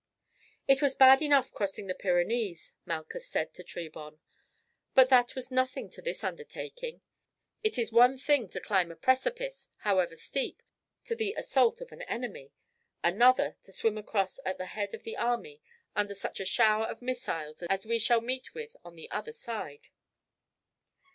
"It was bad enough crossing the Pyrenees," Malchus said to Trebon, "but that was nothing to this undertaking; it is one thing to climb a precipice, however steep, to the assault of an enemy, another to swim across at the head of the army under such a shower of missiles as we shall meet with on the other side."